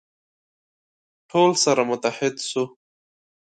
ټول سره متحد سو.